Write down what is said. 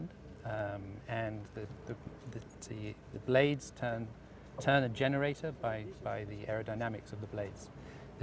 dan batu itu mengubah generator dengan aerodinamik batu